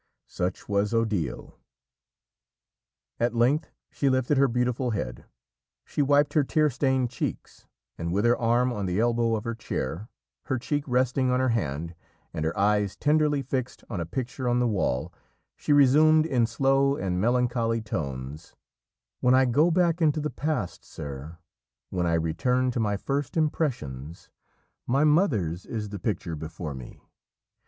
Such was Odile. At length she lifted her beautiful head; she wiped her tear stained cheeks, and with her arm on the elbow of her chair, her cheek resting on her hand, and her eyes tenderly fixed on a picture on the wall, she resumed in slow and melancholy tones: "When I go back into the past, sir, when I return to my first impressions, my mother's is the picture before me.